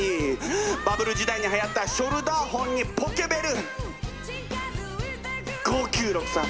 バブル時代にはやったショルダーフォンにポケベル５９６３